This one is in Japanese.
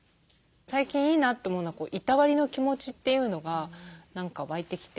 最近いいなと思うのはいたわりの気持ちというのが何か湧いてきて。